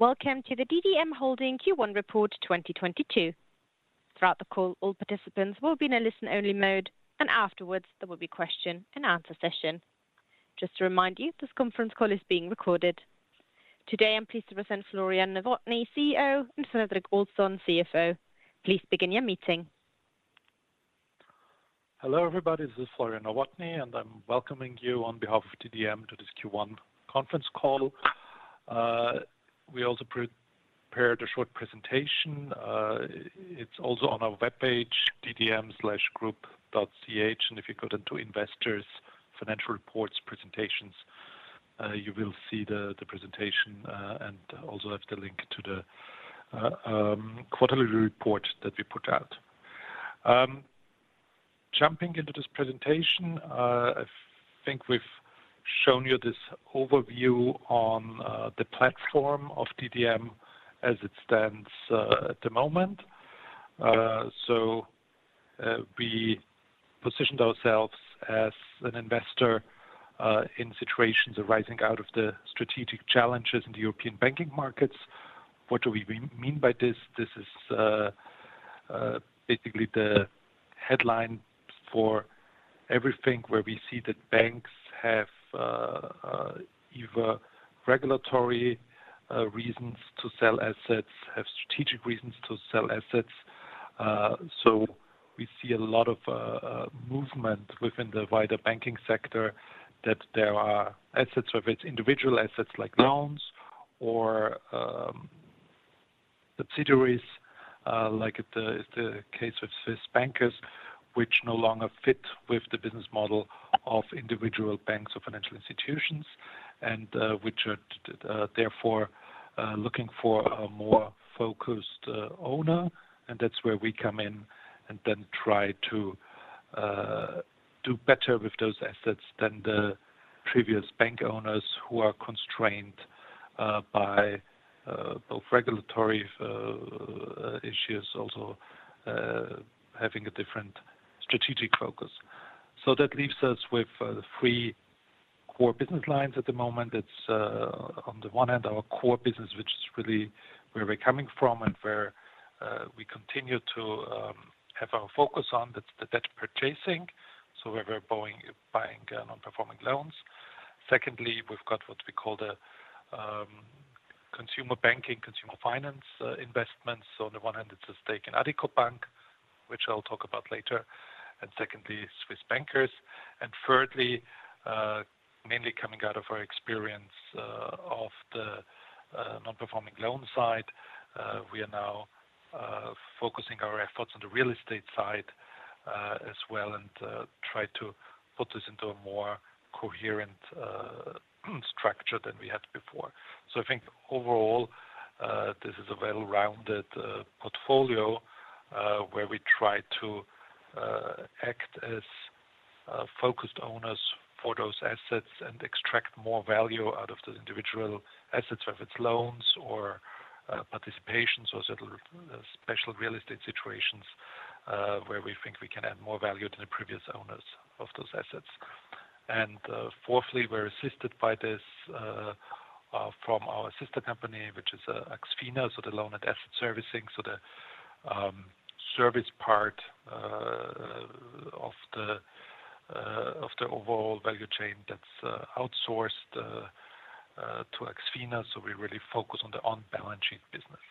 Welcome to the DDM Holding Q1 report 2022. Throughout the call, all participants will be in a listen only mode, and afterwards there will be question and answer session. Just to remind you, this conference call is being recorded. Today, I'm pleased to present Florian Nowotny, CEO, and Fredrik Olsson, CFO. Please begin your meeting. Hello, everybody. This is Florian Nowotny, and I'm welcoming you on behalf of DDM to this Q1 conference call. We also pre-prepared a short presentation. It's also on our webpage, ddm-group.ch. If you go down to investors, financial reports, presentations, you will see the presentation, and also have the link to the quarterly report that we put out. Jumping into this presentation, I think we've shown you this overview on the platform of DDM as it stands at the moment. We position ourselves as an investor in situations arising out of the strategic challenges in the European banking markets. What do we mean by this? This is basically the headline for everything where we see that banks have either regulatory reasons to sell assets, have strategic reasons to sell assets. We see a lot of movement within the wider banking sector that there are assets, whether it's individual assets like loans or subsidiaries, like in the case with Swiss Bankers, which no longer fit with the business model of individual banks or financial institutions and which are therefore looking for a more focused owner. That's where we come in and then try to do better with those assets than the previous bank owners who are constrained by both regulatory issues, also having a different strategic focus. That leaves us with three core business lines at the moment. It's on the one hand, our core business, which is really where we're coming from and where we continue to have our focus on the debt purchasing. Where we're buying non-performing loans. Secondly, we've got what we call the consumer banking, consumer finance investments. On the one hand, it's a stake in Addiko Bank, which I'll talk about later, and secondly, Swiss Bankers. Thirdly, mainly coming out of our experience of the non-performing loan side, we are now focusing our efforts on the real estate side as well, and try to put this into a more coherent structure than we had before. I think overall, this is a well-rounded portfolio, where we try to act as focused owners for those assets and extract more value out of those individual assets, whether it's loans or participations or certain special real estate situations, where we think we can add more value to the previous owners of those assets. Fourthly, we're assisted by this from our sister company, which is AxFina, so the loan and asset servicing. The service part of the overall value chain that's outsourced to AxFina. We really focus on the on-balance-sheet business.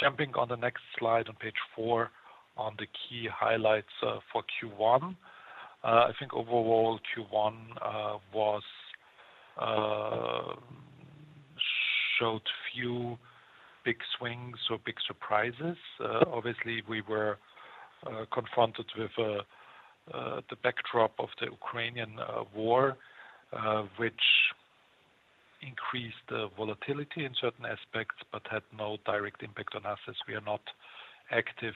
Jumping to the next slide on page four on the key highlights for Q1. I think overall Q1 showed few big swings or big surprises. Obviously, we were confronted with the backdrop of the Ukrainian war, which increased the volatility in certain aspects, but had no direct impact on us as we are not active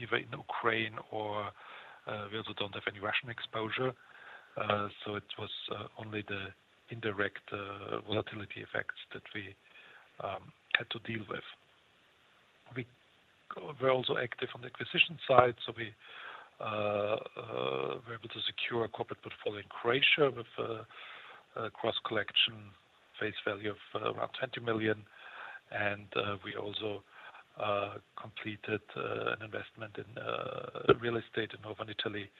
either in Ukraine or, we also don't have any Russian exposure. It was only the indirect volatility effects that we had to deal with. We're also active on the acquisition side, so we were able to secure a corporate portfolio in Croatia with a gross face value of around 20 million. We also completed an investment in real estate in northern Italy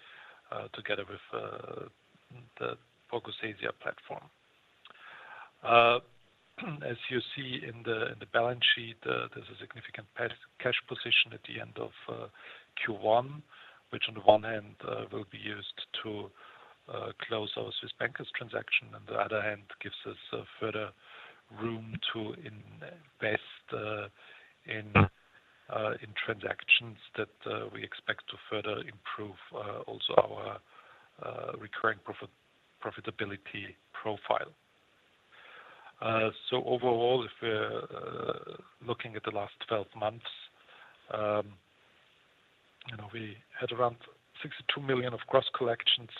together with the Zoniro Asia platform. As you see in the balance sheet, there's a significant cash position at the end of Q1, which on the one hand will be used to close our Swiss Bankers transaction, on the other hand gives us further room to invest in transactions that we expect to further improve also our recurring profitability profile. Overall, if we're looking at the last 12 months, you know, we had around 62 million of gross collections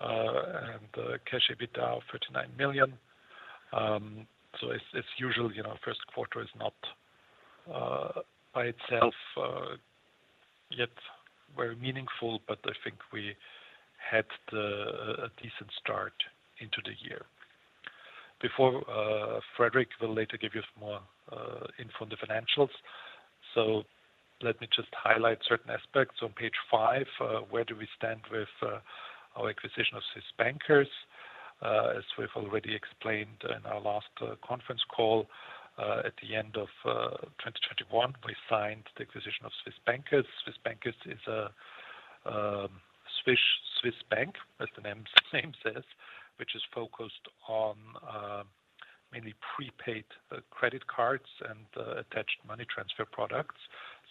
and cash EBITDA of 39 million. It's usual, you know, first quarter is not by itself yet very meaningful, but I think we had a decent start into the year. Before Fredrik will later give you more info on the financials. Let me just highlight certain aspects. On page five, where do we stand with our acquisition of Swiss Bankers? As we've already explained in our last conference call, at the end of 2021, we signed the acquisition of Swiss Bankers. Swiss Bankers is a Swiss bank, as the name says, which is focused on mainly prepaid credit cards and attached money transfer products.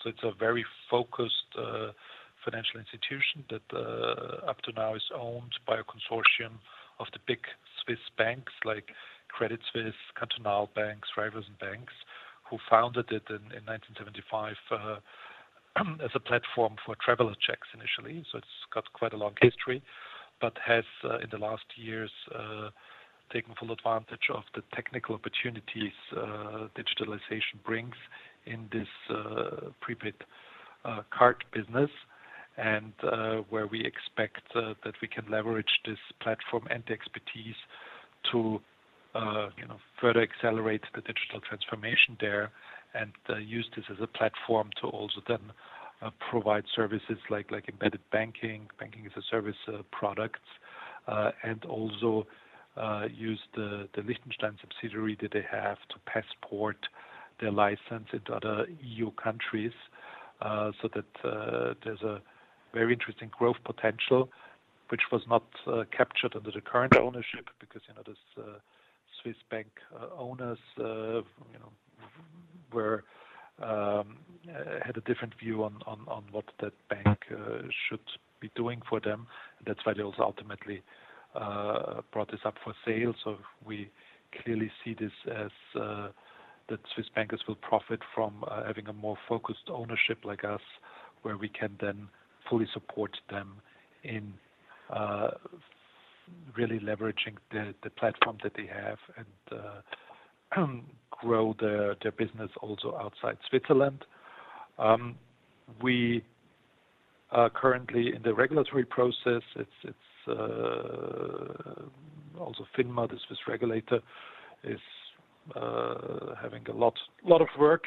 It's a very focused financial institution that up to now is owned by a consortium of the big Swiss banks, like Credit Suisse, Cantonal Banks, Raiffeisen Banks, who founded it in 1975 as a platform for traveler's checks initially. It's got quite a long history, but has in the last years taken full advantage of the technical opportunities digitalization brings in this prepaid card business. Where we expect that we can leverage this platform and expertise to you know further accelerate the digital transformation there and use this as a platform to also then provide services like embedded banking-as-a-service products. And also use the Liechtenstein subsidiary that they have to passport their license into other EU countries so that there's a very interesting growth potential which was not captured under the current ownership because you know these Swiss bank owners you know were had a different view on what that bank should be doing for them. That's why they also ultimately brought this up for sale. We clearly see this as that Swiss bankers will profit from having a more focused ownership like us, where we can then fully support them in really leveraging the platform that they have and grow their business also outside Switzerland. We are currently in the regulatory process. It's also FINMA, the Swiss regulator, is having a lot of work,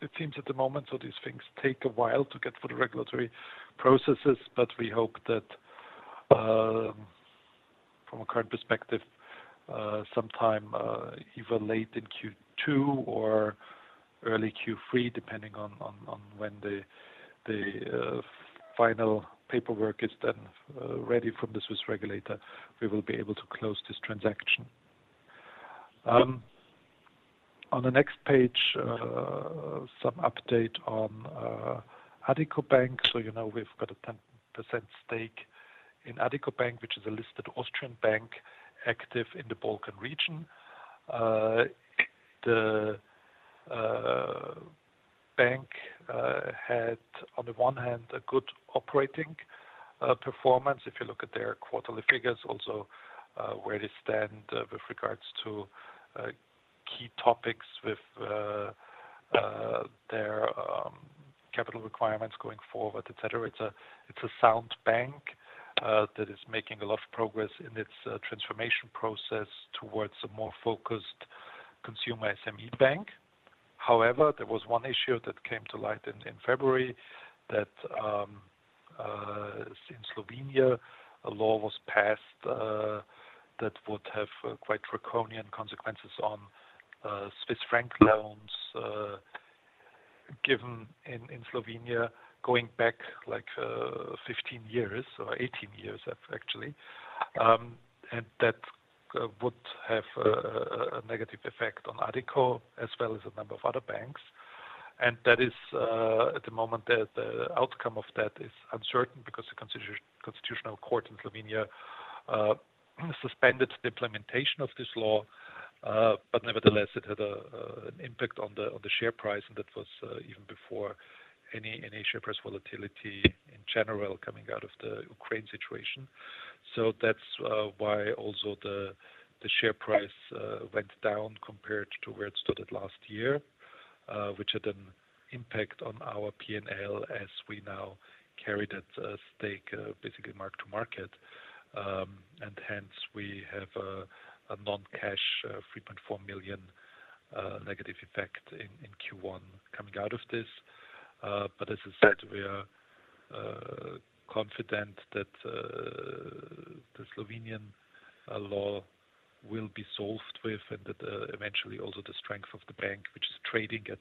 it seems, at the moment. These things take a while to get through the regulatory processes. We hope that, from a current perspective, sometime either late in Q2 or early Q3, depending on when the final paperwork is then ready from the Swiss regulator, we will be able to close this transaction. On the next page, some update on Addiko Bank. You know we've got a 10% stake in Addiko Bank, which is a listed Austrian bank active in the Balkan region. The bank had, on the one hand, a good operating performance, if you look at their quarterly figures, also where they stand with regards to their capital requirements going forward, etc. It's a sound bank that is making a lot of progress in its transformation process towards a more focused consumer SME bank. However, there was one issue that came to light in February that in Slovenia, a law was passed that would have quite draconian consequences on Swiss franc loans given in Slovenia going back, like, 15 years or 18 years, actually. That would have a negative effect on Addiko as well as a number of other banks. That is, at the moment, the outcome of that is uncertain because the Constitutional Court in Slovenia suspended the implementation of this law. Nevertheless, it had an impact on the share price, and that was even before any share price volatility in general coming out of the Ukraine situation. That's why also the share price went down compared to where it stood at last year, which had an impact on our P&L as we now carried that stake basically mark-to-market. Hence we have a non-cash 3.4 million negative effect in Q1 coming out of this. As I said, we are confident that the Slovenian law will be solved with and that eventually, also the strength of the bank, which is trading at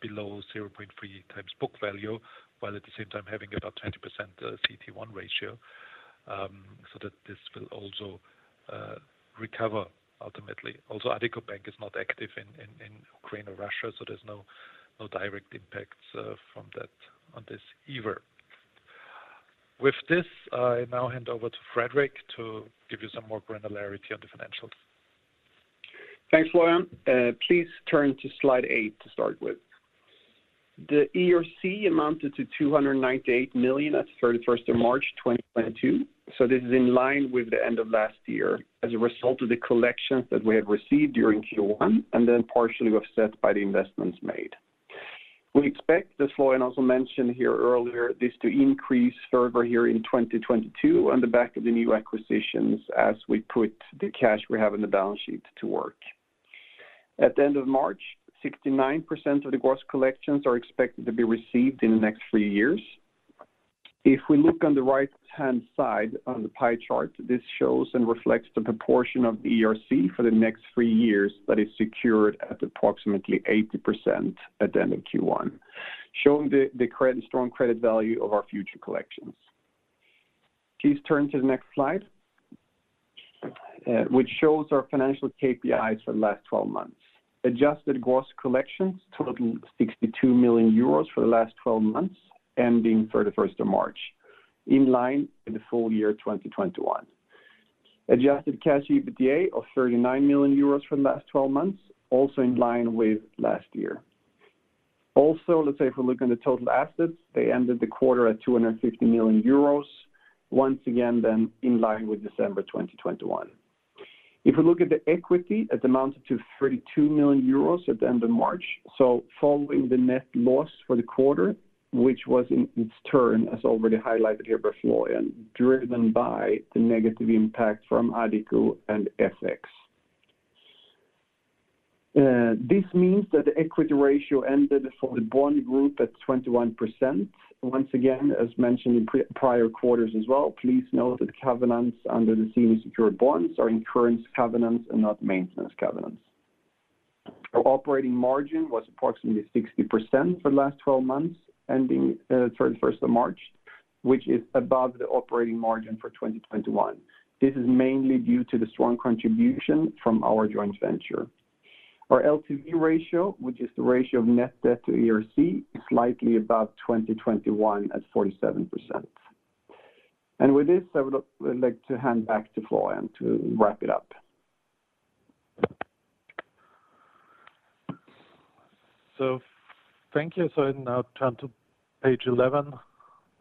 below 0.3x book value, while at the same time having about 20% CET1 ratio, so that this will also recover ultimately. Also, Addiko Bank is not active in Ukraine or Russia, so there's no direct impacts from that on this either. With this, I now hand over to Fredrik to give you some more granularity on the financials. Thanks, Florian. Please turn to slide eight to start with. The ERC amounted to 298 million at March 31, 2022. This is in line with the end of last year as a result of the collections that we had received during Q1 and then partially offset by the investments made. We expect, as Florian also mentioned here earlier, this to increase further here in 2022 on the back of the new acquisitions as we put the cash we have on the balance sheet to work. At the end of March, 69% of the gross collections are expected to be received in the next three years. If we look on the right-hand side on the pie chart, this shows and reflects the proportion of the ERC for the next three years that is secured at approximately 80% at the end of Q1, showing the strong credit value of our future collections. Please turn to the next slide, which shows our financial KPIs for the last 12 months. Adjusted gross collections totaling 62 million euros for the last 12 months, ending 31st of March, in line with the full year 2021. Adjusted cash EBITDA of 39 million euros from the last 12 months, also in line with last year. Also, let's say if we look on the total assets, they ended the quarter at 250 million euros, once again then in line with December 2021. If we look at the equity, it amounted to 32 million euros at the end of March, so following the net loss for the quarter, which was in turn, as already highlighted here by Florian, driven by the negative impact from Addiko and FX. This means that the equity ratio ended for the bond group at 21%. Once again, as mentioned in prior quarters as well, please note that covenants under the senior secured bonds are incurrence covenants and not maintenance covenants. Our operating margin was approximately 60% for the last 12 months ending 31st of March, which is above the operating margin for 2021. This is mainly due to the strong contribution from our joint venture. Our LTV ratio, which is the ratio of net debt to ERC, is slightly above 2021 at 47%. With this, I would like to hand back to Florian to wrap it up. Thank you. Now turn to page 11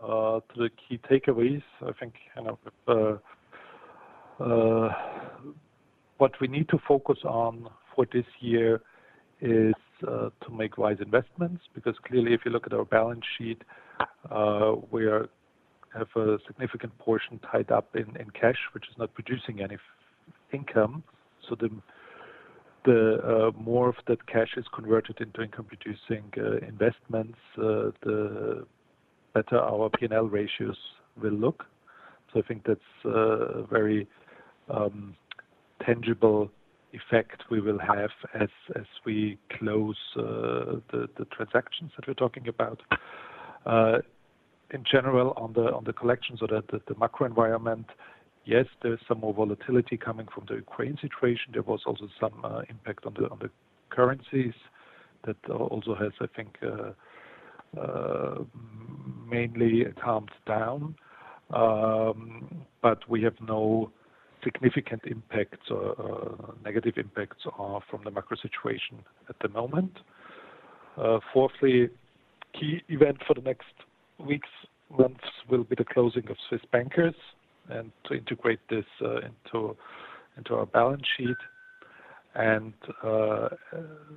to the key takeaways. I think, you know, what we need to focus on for this year is to make wise investments, because clearly, if you look at our balance sheet, we have a significant portion tied up in cash, which is not producing any fee income. The more of that cash is converted into income-producing investments, the better our P&L ratios will look. I think that's a very tangible effect we will have as we close the transactions that we're talking about. In general, on the collections or the macro environment, yes, there is some more volatility coming from the Ukraine situation. There was also some impact on the currencies that also has, I think, mainly calmed down. We have no significant impacts or negative impacts from the macro situation at the moment. Fourthly, key event for the next weeks, months will be the closing of Swiss Bankers Association and to integrate this into our balance sheet.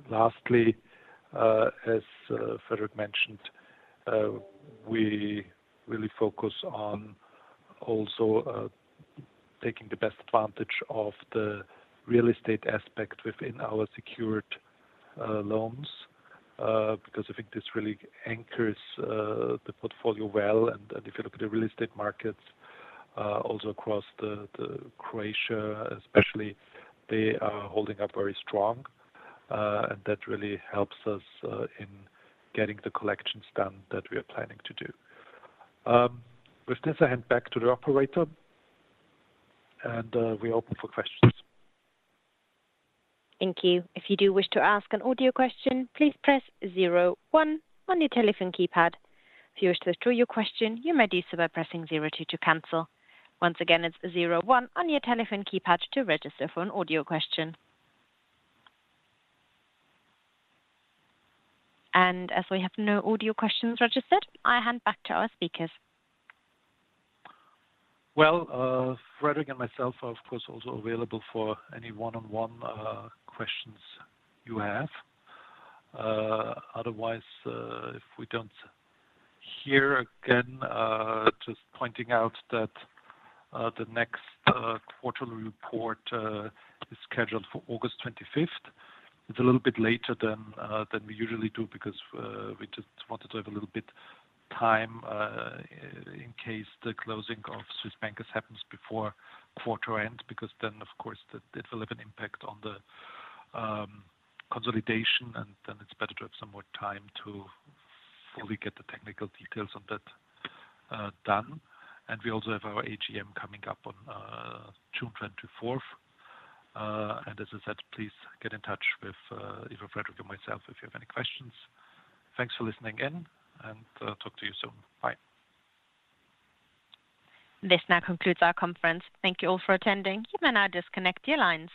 Lastly, as Fredrik mentioned, we really focus on also taking the best advantage of the real estate aspect within our secured loans because I think this really anchors the portfolio well. If you look at the real estate markets also across Croatia especially, they are holding up very strong and that really helps us in getting the collections done that we are planning to do. With this, I hand back to the operator, and we open for questions. Thank you. If you do wish to ask an audio question, please press zero one on your telephone keypad. If you wish to withdraw your question, you may do so by pressing zero two to cancel. Once again, it's zero one on your telephone keypad to register for an audio question. As we have no audio questions registered, I hand back to our speakers. Well, Fredrik and myself are of course also available for any one-on-one questions you have. Otherwise, if we don't hear again, just pointing out that the next quarterly report is scheduled for August 25th. It's a little bit later than we usually do because we just wanted to have a little bit time in case the closing of Swiss Bankers Association happens before quarter end, because then, of course, that it will have an impact on the consolidation, and then it's better to have some more time to fully get the technical details of that done. We also have our AGM coming up on June 24th. As I said, please get in touch with either Fredrik or myself if you have any questions. Thanks for listening in and talk to you soon. Bye. This now concludes our conference. Thank you all for attending. You may now disconnect your lines.